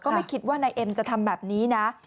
ไม่คิดว่านายเอ็มจะทำแบบนี้นะ